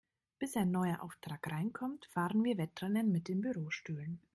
Bis ein neuer Auftrag reinkommt, fahren wir Wettrennen mit den Bürostühlen.